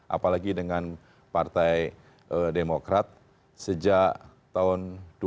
apalagi dengan partai demokrat sejak tahun dua ribu empat